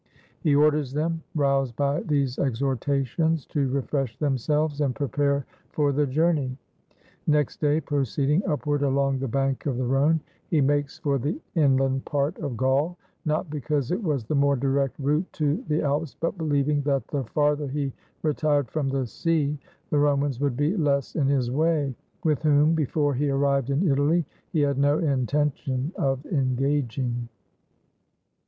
He orders them, roused by these exhortations, to re fresh themselves and prepare for the journey. Next day, proceeding upward along the bank of the Rhone, he makes for the inland part of Gaul: not because it was the more direct route to the Alps, but believing that the farther he retired from the sea, the Romans would be less in his way; with whom, before he arrived in Italy, he had no intention of engaging.